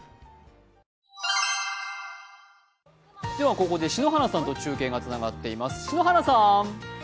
ここで篠原さんと中継がつながっています。